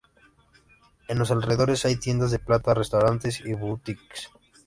En los alrededores hay tiendas de plata, restaurantes y boutiques.